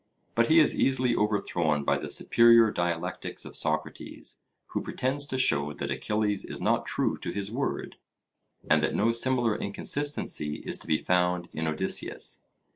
But he is easily overthrown by the superior dialectics of Socrates, who pretends to show that Achilles is not true to his word, and that no similar inconsistency is to be found in Odysseus.